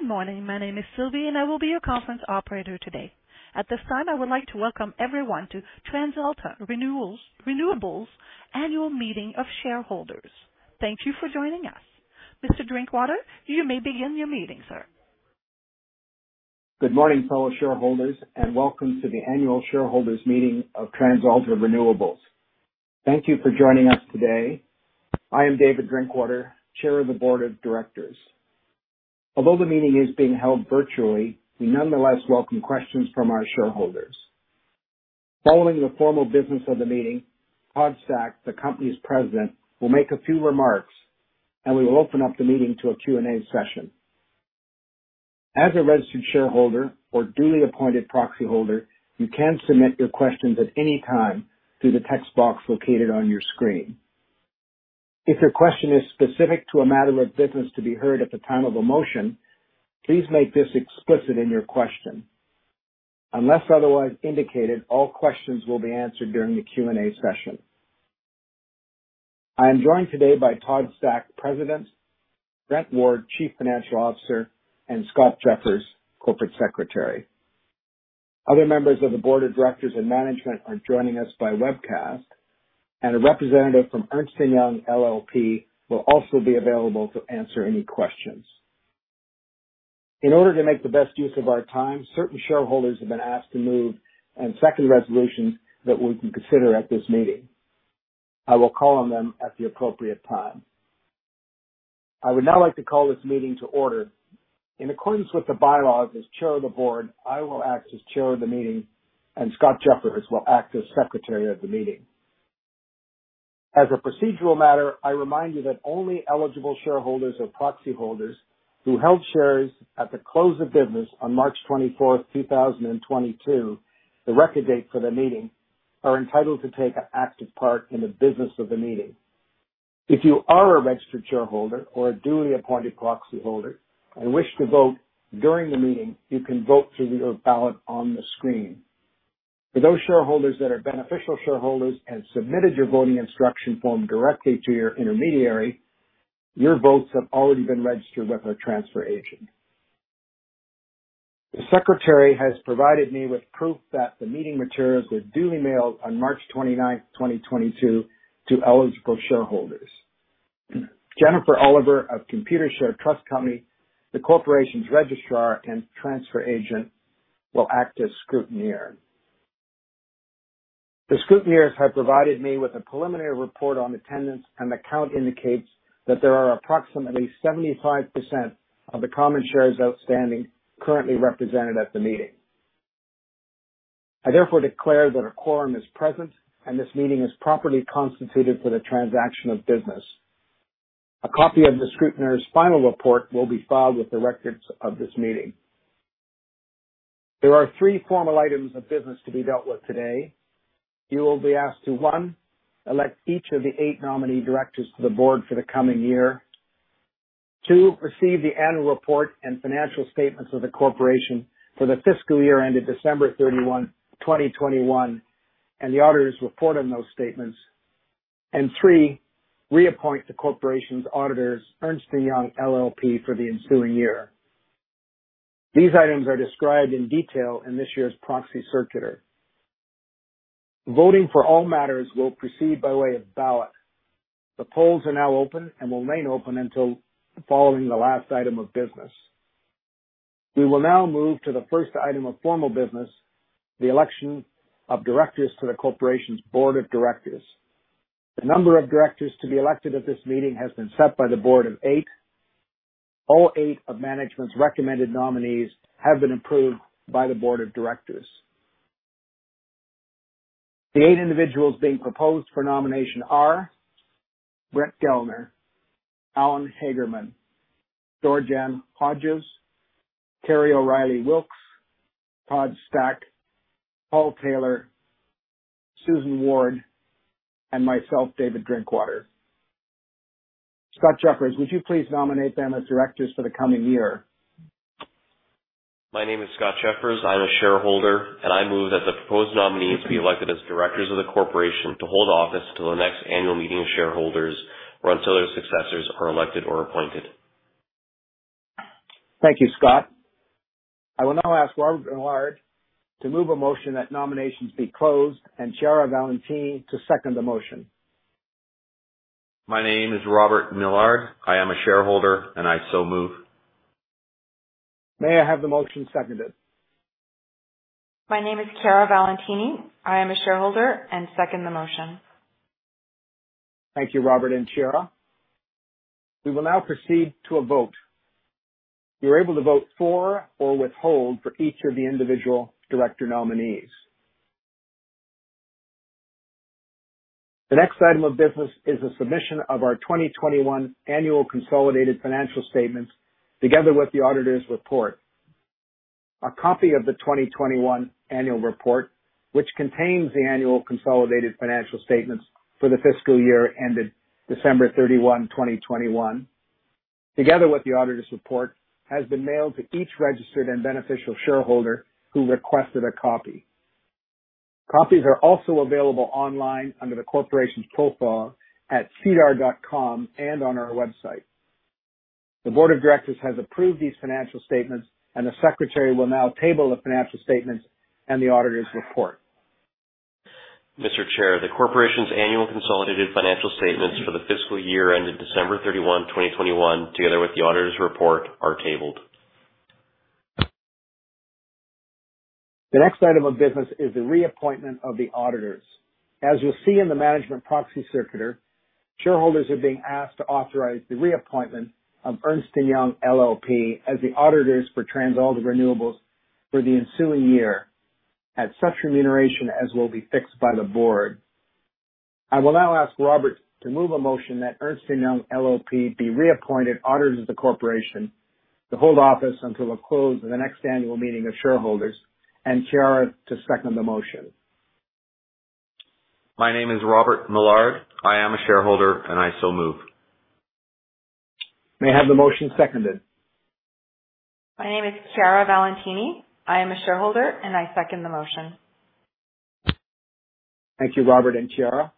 Good morning. My name is Sylvie, and I will be your conference operator today. At this time, I would like to welcome everyone to TransAlta Renewables Annual Meeting of Shareholders. Thank you for joining us. Mr. Drinkwater, you may begin your meeting, sir. Good morning, fellow shareholders, and welcome to the annual shareholders meeting of TransAlta Renewables. Thank you for joining us today. I am David Drinkwater, Chair of the Board of Directors. Although the meeting is being held virtually, we nonetheless welcome questions from our shareholders. Following the formal business of the meeting, Todd Stack, the company's President, will make a few remarks, and we will open up the meeting to a Q&A session. As a registered shareholder or duly appointed proxy holder, you can submit your questions at any time through the text box located on your screen. If your question is specific to a matter of business to be heard at the time of a motion, please make this explicit in your question. Unless otherwise indicated, all questions will be answered during the Q&A session. I am joined today by Todd Stack, President, Brent Ward, Chief Financial Officer, and Scott Jeffers, Corporate Secretary. Other members of the Board of Directors and management are joining us by webcast, and a representative from Ernst & Young LLP will also be available to answer any questions. In order to make the best use of our time, certain shareholders have been asked to move and second resolutions that we can consider at this meeting. I will call on them at the appropriate time. I would now like to call this meeting to order. In accordance with the bylaws, as Chair of the Board, I will act as Chair of the Meeting, and Scott Jeffers will act as Secretary of the Meeting. As a procedural matter, I remind you that only eligible shareholders or proxy holders who held shares at the close of business on March 24th, 2022, the record date for the meeting, are entitled to take an active part in the business of the meeting. If you are a registered shareholder or a duly appointed proxy holder and wish to vote during the meeting, you can vote through your ballot on the screen. For those shareholders that are beneficial shareholders and submitted your voting instruction form directly to your intermediary, your votes have already been registered with our transfer agent. The Secretary has provided me with proof that the meeting materials were duly mailed on March 29th, 2022, to eligible shareholders. Jennifer Oliver of Computershare Trust Company, the corporation's Registrar and Transfer Agent, will act as scrutineer. The scrutineers have provided me with a preliminary report on attendance, and the count indicates that there are approximately 75% of the common shares outstanding currently represented at the meeting. I therefore declare that a quorum is present, and this meeting is properly constituted for the transaction of business. A copy of the scrutineer's final report will be filed with the records of this meeting. There are three formal items of business to be dealt with today. You will be asked to, one, elect each of the eight nominee directors to the board for the coming year. Two, receive the annual report and financial statements of the corporation for the fiscal year ended December 31st, 2021, and the auditor's report on those statements. Three, reappoint the corporation's auditors, Ernst & Young LLP, for the ensuing year. These items are described in detail in this year's proxy circular. Voting for all matters will proceed by way of ballot. The polls are now open and will remain open until following the last item of business. We will now move to the first item of formal business, the election of directors to the corporation's board of directors. The number of directors to be elected at this meeting has been set by the board of eight. All eight of management's recommended nominees have been approved by the board of directors. The eight individuals being proposed for nomination are Brett Gellner, Allen Hagerman, Georganne Hodges, Kerry O'Reilly Wilks, Todd Stack, Paul Taylor, Susan Ward, and myself, David Drinkwater. Scott Jeffers, would you please nominate them as directors for the coming year? My name is Scott Jeffers. I'm a shareholder, I move that the proposed nominees be elected as directors of the corporation to hold office till the next annual meeting of shareholders or until their successors are elected or appointed. Thank you, Scott. I will now ask Robert Millard to move a motion that nominations be closed and Chiara Valentini to second the motion. My name is Robert Millard. I am a shareholder, and I so move. May I have the motion seconded? My name is Chiara Valentini. I am a shareholder, and I second the motion. Thank you, Robert and Chiara. We will now proceed to a vote. You're able to vote for or withhold for each of the individual director nominees. The next item of business is the submission of our 2021 annual consolidated financial statements together with the auditor's report. A copy of the 2021 annual report, which contains the annual consolidated financial statements for the fiscal year ended December 31st, 2021, together with the auditor's report, has been mailed to each registered and beneficial shareholder who requested a copy. Copies are also available online under the Corporation's profile at SEDAR and on our website. The Board of Directors has approved these financial statements, and the Secretary will now table the financial statements and the auditor's report. Mr. Chair, the Corporation's annual consolidated financial statements for the fiscal year ended December 31st, 2021, together with the auditor's report, are tabled. The next item of business is the reappointment of the auditors. As you'll see in the management proxy circulator, shareholders are being asked to authorize the reappointment of Ernst & Young LLP as the auditors for TransAlta Renewables for the ensuing year at such remuneration as will be fixed by the Board. I will now ask Robert to move a motion that Ernst & Young LLP be reappointed auditors of the corporation to hold office until the close of the next annual meeting of shareholders, and Chiara to second the motion. My name is Robert Millard, I am a shareholder, and I so move. May I have the motion seconded? My name is Chiara Valentini. I am a shareholder, and I second the motion. Thank you, Robert and Chiara.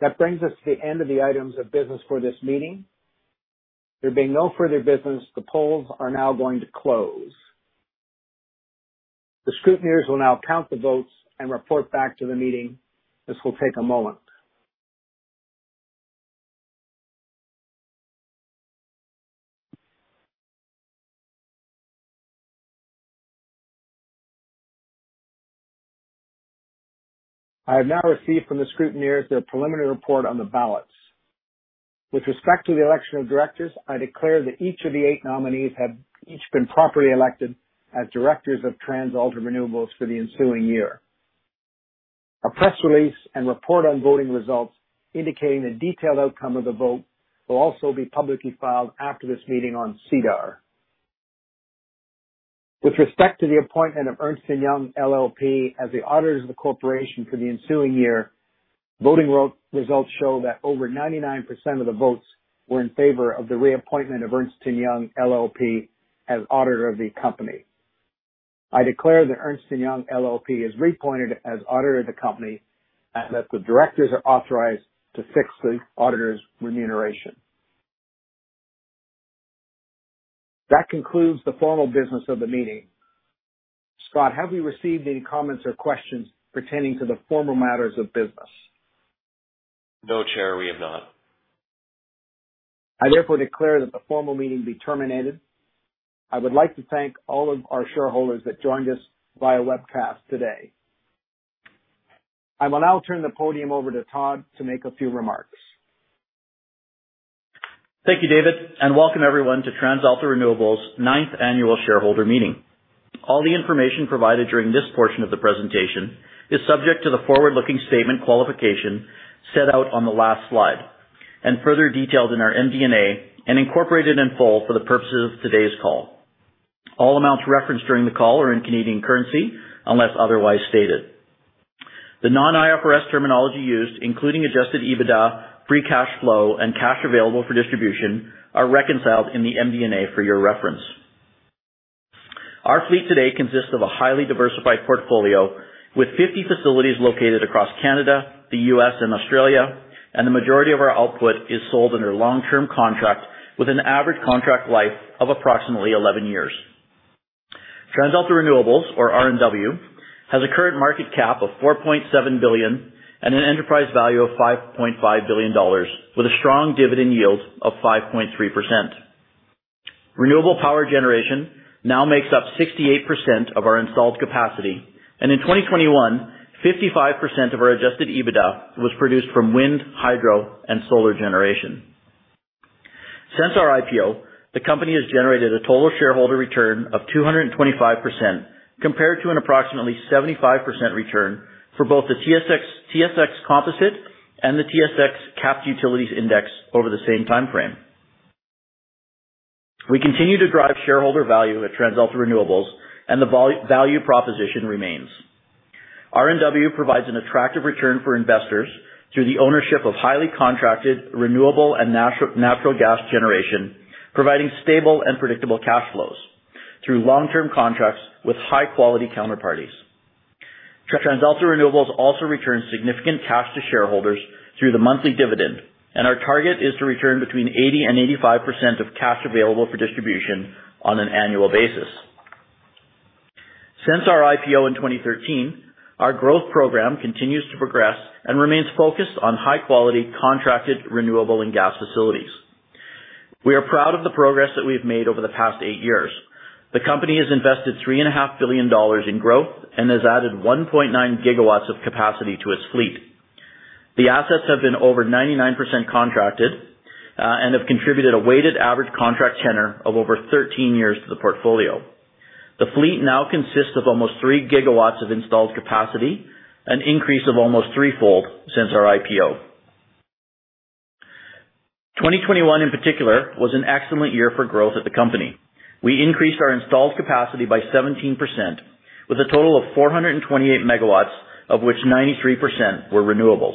That brings us to the end of the items of business for this meeting. There being no further business, the polls are now going to close. The scrutineers will now count the votes and report back to the meeting. This will take a moment. I have now received from the scrutineers their preliminary report on the ballots. With respect to the election of directors, I declare that each of the eight nominees have each been properly elected as directors of TransAlta Renewables for the ensuing year. A press release and report on voting results indicating the detailed outcome of the vote will also be publicly filed after this meeting on SEDAR. With respect to the appointment of Ernst & Young LLP as the auditors of the corporation for the ensuing year, voting results show that over 99% of the votes were in favor of the reappointment of Ernst & Young LLP as auditor of the company. I declare that Ernst & Young LLP is reappointed as auditor of the company and that the directors are authorized to fix the auditor's remuneration. That concludes the formal business of the meeting. Scott, have we received any comments or questions pertaining to the formal matters of business? No, Chair, we have not. I therefore declare that the formal meeting be terminated. I would like to thank all of our shareholders that joined us via webcast today. I will now turn the podium over to Todd to make a few remarks. Thank you, David, and welcome everyone to TransAlta Renewables' ninth annual shareholder meeting. All the information provided during this portion of the presentation is subject to the forward-looking statement qualification set out on the last slide and further detailed in our MD&A and incorporated in full for the purposes of today's call. All amounts referenced during the call are in Canadian currency unless otherwise stated. The non-IFRS terminology used, including adjusted EBITDA, free cash flow, and cash available for distribution, are reconciled in the MD&A for your reference. Our fleet today consists of a highly diversified portfolio with 50 facilities located across Canada, the U.S., and Australia, and the majority of our output is sold under long-term contract with an average contract life of approximately 11 years. TransAlta Renewables, or RNW, has a current market cap of CAD 4.7 billion and an enterprise value of CAD 5.5 billion, with a strong dividend yield of 5.3%. Renewable power generation now makes up 68% of our installed capacity, and in 2021, 55% of our adjusted EBITDA was produced from wind, hydro, and solar generation. Since our IPO, the company has generated a total shareholder return of 225% compared to an approximately 75% return for both the TSX Composite and the TSX Capped Utilities Index over the same time frame. We continue to drive shareholder value at TransAlta Renewables, and the value proposition remains. RNW provides an attractive return for investors through the ownership of highly contracted renewable and natural gas generation, providing stable and predictable cash flows through long-term contracts with high-quality counterparties. TransAlta Renewables also returns significant cash to shareholders through the monthly dividend. Our target is to return between 80% and 85% of cash available for distribution on an annual basis. Since our IPO in 2013, our growth program continues to progress and remains focused on high-quality, contracted renewable and gas facilities. We are proud of the progress that we've made over the past eight years. The company has invested 3.5 billion dollars in growth and has added 1.9 GW of capacity to its fleet. The assets have been over 99% contracted and have contributed a weighted average contract tenor of over 13 years to the portfolio. The fleet now consists of almost 3 GW of installed capacity, an increase of almost threefold since our IPO. 2021, in particular, was an excellent year for growth at the company. We increased our installed capacity by 17%, with a total of 428 MW, of which 93% were renewables.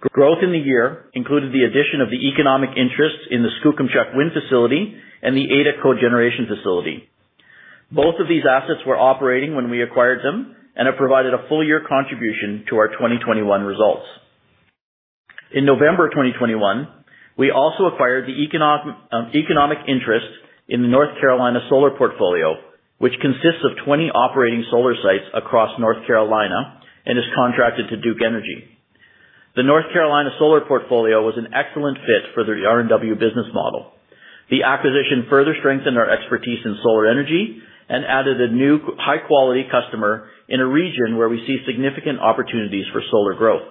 Growth in the year included the addition of the economic interests in the Skookumchuck Wind facility and the Ada Cogeneration facility. Both of these assets were operating when we acquired them and have provided a full-year contribution to our 2021 results. In November 2021, we also acquired the economic interest in the North Carolina Solar portfolio, which consists of 20 operating solar sites across North Carolina and is contracted to Duke Energy. The North Carolina Solar portfolio was an excellent fit for the RNW business model. The acquisition further strengthened our expertise in solar energy and added a new high-quality customer in a region where we see significant opportunities for solar growth.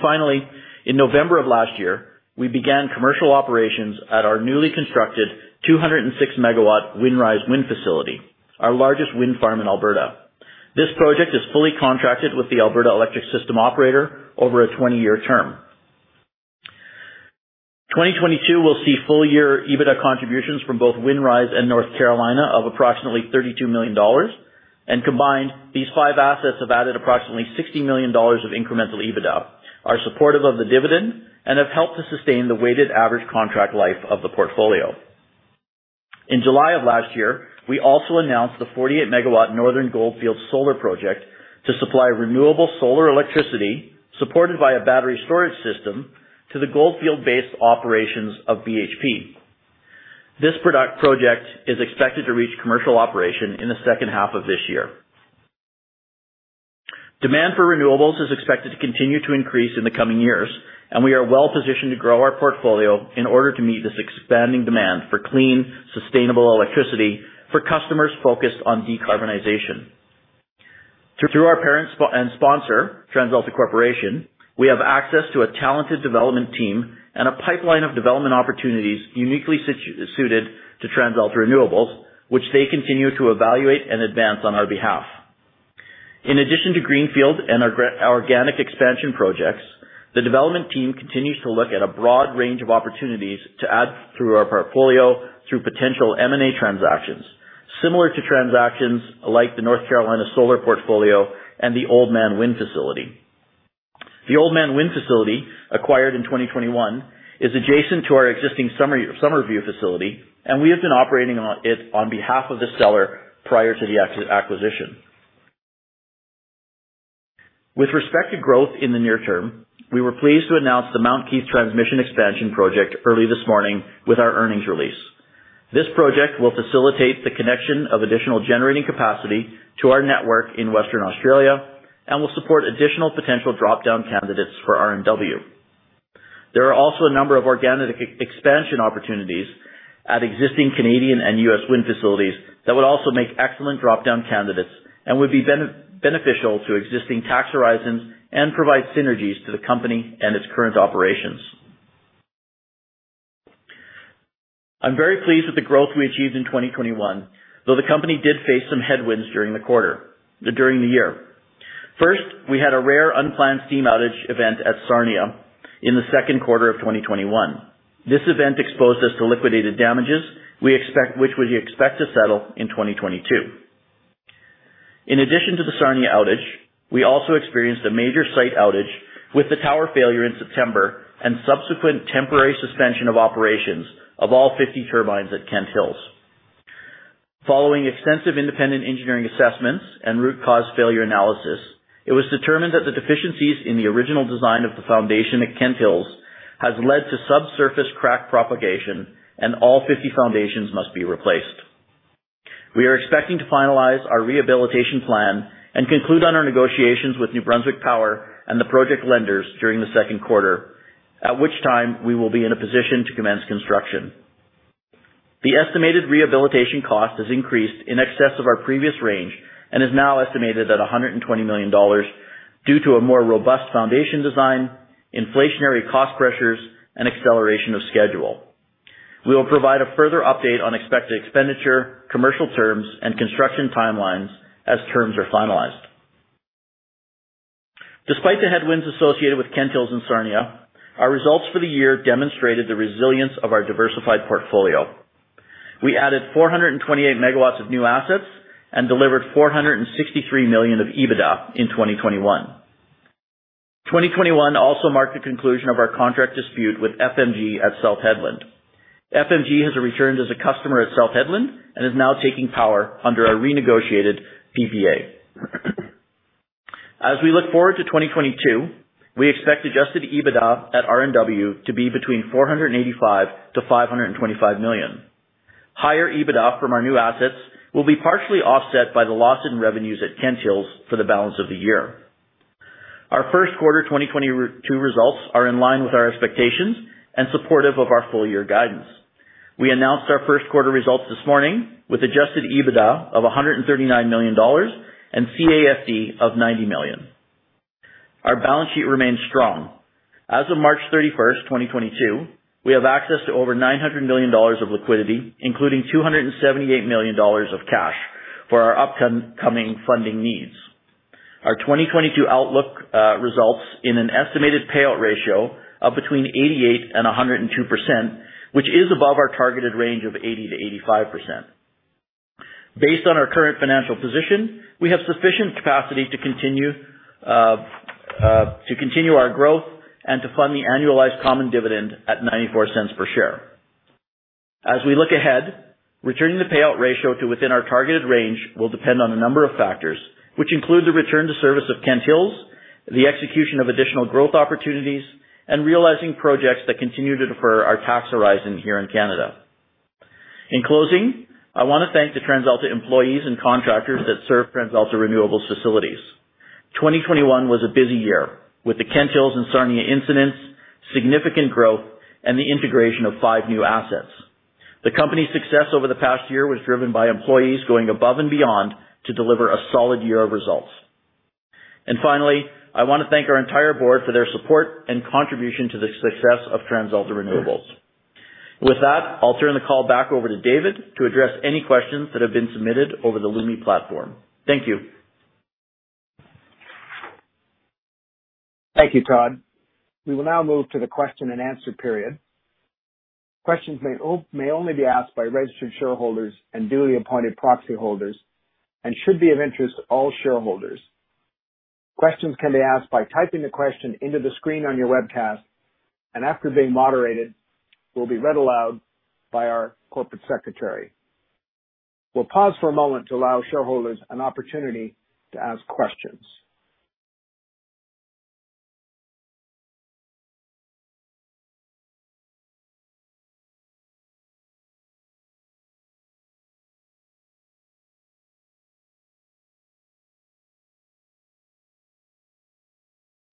Finally, in November of last year, we began commercial operations at our newly constructed 206 MW Windrise Wind facility, our largest wind farm in Alberta. This project is fully contracted with the Alberta Electric System Operator over a 20-year term. 2022 will see full-year EBITDA contributions from both Windrise and North Carolina Solar of approximately 32 million dollars, and combined, these five assets have added approximately 60 million dollars of incremental EBITDA, are supportive of the dividend, and have helped to sustain the weighted average contract life of the portfolio. In July of last year, we also announced the 48 MW Northern Goldfields solar project to supply renewable solar electricity supported by a battery storage system to the Goldfields-based operations of BHP. This project is expected to reach commercial operation in the second half of this year. Demand for renewables is expected to continue to increase in the coming years. We are well-positioned to grow our portfolio in order to meet this expanding demand for clean, sustainable electricity for customers focused on decarbonization. Through our parent and sponsor, TransAlta Corporation, we have access to a talented development team and a pipeline of development opportunities uniquely suited to TransAlta Renewables, which they continue to evaluate and advance on our behalf. In addition to greenfield and organic expansion projects, the development team continues to look at a broad range of opportunities to add through our portfolio through potential M&A transactions. Similar to transactions like the North Carolina Solar portfolio and the Oldman Wind facility. The Oldman Wind facility, acquired in 2021, is adjacent to our existing Summerview facility, and we have been operating it on behalf of the seller prior to the acquisition. With respect to growth in the near term, we were pleased to announce the Mount Keith Transmission Expansion project early this morning with our earnings release. This project will facilitate the connection of additional generating capacity to our network in Western Australia and will support additional potential drop-down candidates for RNW. There are also a number of organic expansion opportunities at existing Canadian and U.S. wind facilities that would also make excellent drop-down candidates and would be beneficial to existing tax horizons and provide synergies to the company and its current operations. I'm very pleased with the growth we achieved in 2021, though the company did face some headwinds during the year. First, we had a rare unplanned steam outage event at Sarnia in the second quarter of 2021. This event exposed us to liquidated damages, which we expect to settle in 2022. In addition to the Sarnia outage, we also experienced a major site outage with the tower failure in September and subsequent temporary suspension of operations of all 50 turbines at Kent Hills. Following extensive independent engineering assessments and root cause failure analysis, it was determined that the deficiencies in the original design of the foundation at Kent Hills has led to subsurface crack propagation and all 50 foundations must be replaced. We are expecting to finalize our rehabilitation plan and conclude on our negotiations with New Brunswick Power and the project lenders during the second quarter, at which time we will be in a position to commence construction. The estimated rehabilitation cost has increased in excess of our previous range and is now estimated at 120 million dollars due to a more robust foundation design, inflationary cost pressures, and acceleration of schedule. We will provide a further update on expected expenditure, commercial terms, and construction timelines as terms are finalized. Despite the headwinds associated with Kent Hills and Sarnia, our results for the year demonstrated the resilience of our diversified portfolio. We added 428 MW of new assets and delivered 463 million of EBITDA in 2021. 2021 also marked the conclusion of our contract dispute with FMG at South Hedland. FMG has returned as a customer at South Hedland and is now taking power under our renegotiated PPA. As we look forward to 2022, we expect adjusted EBITDA at RNW to be between 485 million-525 million. Higher EBITDA from our new assets will be partially offset by the loss in revenues at Kent Hills for the balance of the year. Our first quarter 2022 results are in line with our expectations and supportive of our full-year guidance. We announced our first quarter results this morning with adjusted EBITDA of 139 million dollars and CAFD of 90 million. Our balance sheet remains strong. As of March 31st, 2022, we have access to over 900 million dollars of liquidity, including 278 million dollars of cash, for our upcoming funding needs. Our 2022 outlook results in an estimated payout ratio of between 88%-102%, which is above our targeted range of 80%-85%. Based on our current financial position, we have sufficient capacity to continue our growth and to fund the annualized common dividend at 0.94 per share. As we look ahead, returning the payout ratio to within our targeted range will depend on a number of factors, which include the return to service of Kent Hills, the execution of additional growth opportunities, and realizing projects that continue to defer our tax horizon here in Canada. In closing, I want to thank the TransAlta employees and contractors that serve TransAlta Renewables facilities. 2021 was a busy year, with the Kent Hills and Sarnia incidents, significant growth, and the integration of five new assets. The company's success over the past year was driven by employees going above and beyond to deliver a solid year of results. Finally, I want to thank our entire board for their support and contribution to the success of TransAlta Renewables. With that, I'll turn the call back over to David to address any questions that have been submitted over the Lumi platform. Thank you. Thank you, Todd. We will now move to the question-and-answer period. Questions may only be asked by registered shareholders and duly appointed proxy holders and should be of interest to all shareholders. Questions can be asked by typing the question into the screen on your webcast, and after being moderated, will be read aloud by our corporate secretary. We'll pause for a moment to allow shareholders an opportunity to ask questions.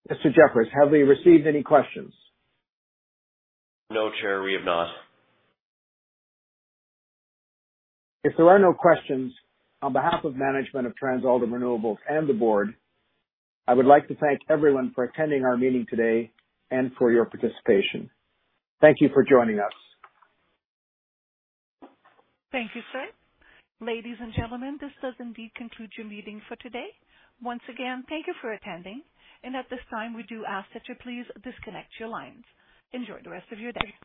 Mr. Jeffers, have we received any questions? No, Chair, we have not. If there are no questions, on behalf of management of TransAlta Renewables and the board, I would like to thank everyone for attending our meeting today and for your participation. Thank you for joining us. Thank you, sir. Ladies and gentlemen, this does indeed conclude your meeting for today. Once again, thank you for attending, and at this time, we do ask that you please disconnect your lines. Enjoy the rest of your day.